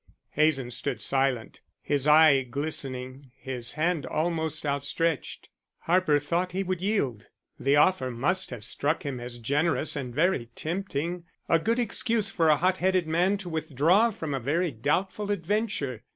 Hazen stood silent, his eye glistening, his hand almost outstretched. Harper thought he would yield; the offer must have struck him as generous and very tempting a good excuse for a hot headed man to withdraw from a very doubtful adventure.